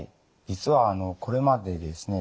実はこれまでですね